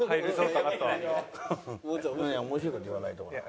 面白い事言わないと。